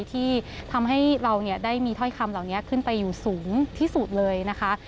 ที่ทำให้เราได้มีถ้อยคำเหล่านี้ขึ้นไปอยู่สูงที่สุดเลยนะคะ